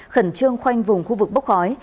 khẩn trương khoanh vùng khu vực bốc khói